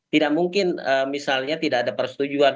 tidak mungkin misalnya tidak ada persetujuan